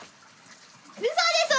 うそでしょ